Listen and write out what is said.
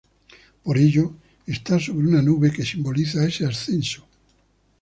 Por ello está sobre una nube que simboliza ese ascenso.